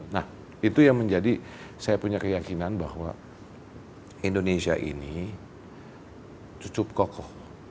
nah itu yang menjadi saya punya keyakinan bahwa indonesia ini cukup kokoh